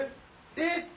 えっ！